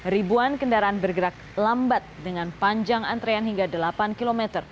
ribuan kendaraan bergerak lambat dengan panjang antrean hingga delapan km